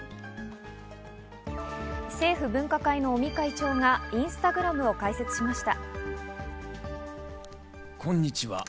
政府分科会の尾身会長がインスタグラムを開設しました。